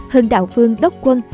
hưng đạo vương đốc quân